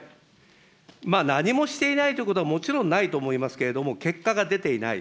何もしていないということはもちろんないと思いますけれども、結果が出ていない。